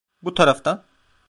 Bu taraftan!